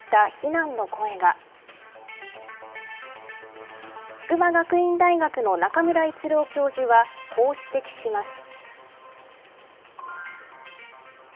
筑波学院大学の中村逸郎教授はこう指摘します。